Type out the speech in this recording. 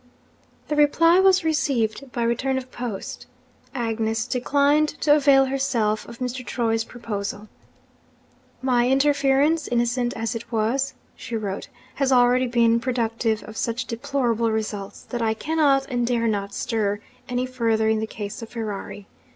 The reply was received by return of post. Agnes declined to avail herself of Mr. Troy's proposal. 'My interference, innocent as it was,' she wrote, 'has already been productive of such deplorable results, that I cannot and dare not stir any further in the case of Ferrari.